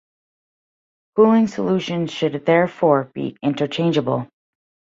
Cooling solutions should therefore be interchangeable.